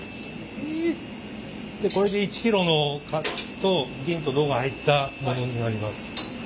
これで１キロの銀と銅が入ったものになります。